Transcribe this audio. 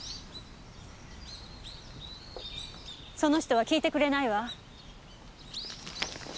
その人は聞いてくれないわ。